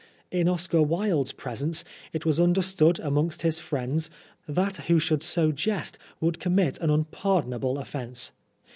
In Oscar Wilde's presence it was understood amongst his friends that who should so jest would commit an unpardonable offence.